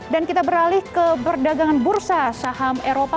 dan kita beralih ke perdagangan bursa saham eropa